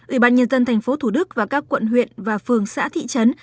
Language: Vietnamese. ủy ban nhân dân thành phố thủ đức và các quận huyện và phường xã thị trấn